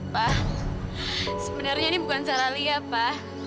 pa sebenarnya ini bukan salah lia pa